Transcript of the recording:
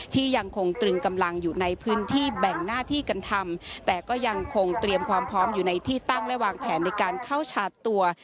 ที่ยังคงตรึงกำลังอยู่ในพื้นที่แบ่งหน้าที่กันทำแต่ก็ยังคงเตรียมความพร้อมอยู่ในที่ตั้งและวางแผนในการเข้าชาร์จตัว